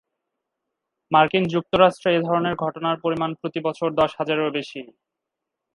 মার্কিন যুক্তরাষ্ট্রে এ ধরনের ঘটনার পরিমাণ প্রতি বছর দশ হাজারেরও বেশি।